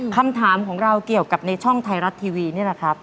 คำถามของเราเกี่ยวกับในช่องไทยรัฐทีวีนี่แหละครับ